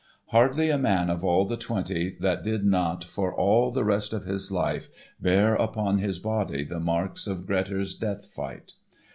Hardly a man of all the twenty that did not for all the rest of his life bear upon his body the marks of Grettir's death fight.